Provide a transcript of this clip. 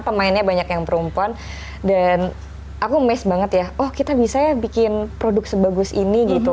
pemainnya banyak yang perempuan dan aku mase banget ya oh kita bisa ya bikin produk sebagus ini gitu